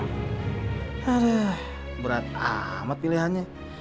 aduh berat amat pilihannya